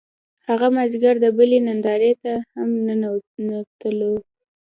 هغه مازیګر د بلۍ نندارې ته هم تللو